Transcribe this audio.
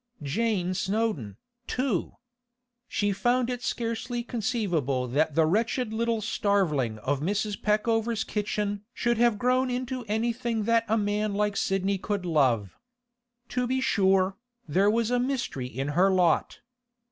Jane Snowdon, too! She found it scarcely conceivable that the wretched little starveling of Mrs. Peckover's kitchen should have grown into anything that a man like Sidney could love. To be sure, there was a mystery in her lot.